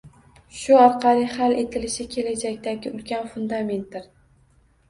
Shu orqali hal etilishi kelajakdagi ulkan fundamentdir.